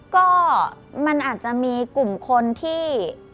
ก็มันอาจจะมีกลุ่มคนที่